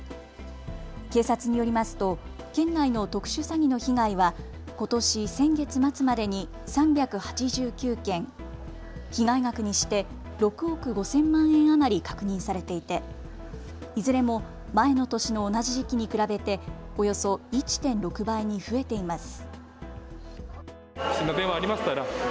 警察によりますと県内の特殊詐欺の被害はことし先月末までに３８９件、被害額にして６億５０００万円余り確認されていていずれも前の年の同じ時期に比べておよそ１．６倍に増えています。